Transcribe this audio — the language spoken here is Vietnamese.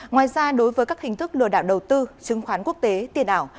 ngoài ra đối với các hình thức lừa đảo đầu tư chứng khoán quốc tế tiền ảo